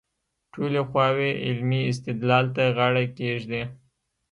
ټولې خواوې علمي استدلال ته غاړه کېږدي.